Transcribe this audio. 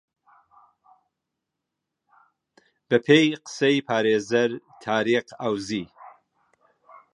بە پێی قسەی پارێزەر تاریق عەوزی